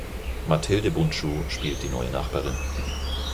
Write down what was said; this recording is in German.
Mathilde Bundschuh spielt die neue Nachbarin.